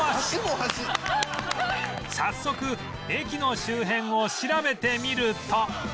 早速駅の周辺を調べてみると